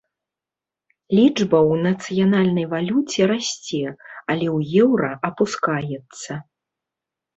Лічба ў нацыянальнай валюце расце, але ў еўра апускаецца.